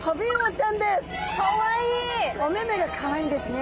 お目目がかわいいんですね。